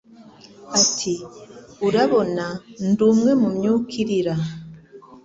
Ati Urabona ndi umwe mu myuka irira